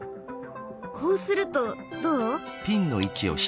こうするとどう？